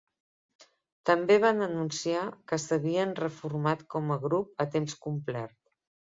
També van anunciar que s'havien reformat com a grup a temps complet.